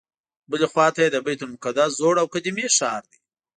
بلې خواته یې د بیت المقدس زوړ او قدیمي ښار دی.